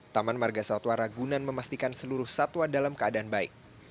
taman marga satwa ragunan memastikan seluruh satwa dalam keadaan baik